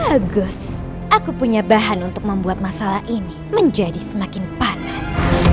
bagus aku punya bahan untuk membuat masalah ini menjadi semakin panas